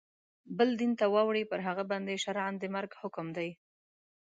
بل دین ته واوړي پر هغه باندي شرعاً د مرګ حکم دی.